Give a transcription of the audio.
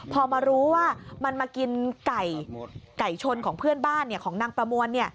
พอมารู้ว่ามันมากินไก่ชนของเพื่อนบ้านของนางประมวล